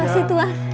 terima kasih tuhan